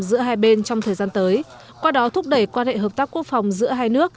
giữa hai bên trong thời gian tới qua đó thúc đẩy quan hệ hợp tác quốc phòng giữa hai nước